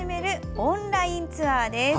オンラインツアーです。